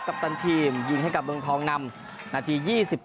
ปตันทีมยิงให้กับเมืองทองนำนาที๒๘